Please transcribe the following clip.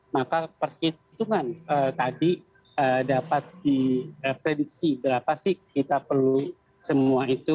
maka perhitungan tadi dapat diprediksi berapa sih kita perlu semua itu